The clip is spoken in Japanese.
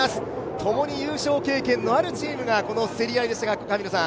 共に優勝経験のあるチームが競り合いですが。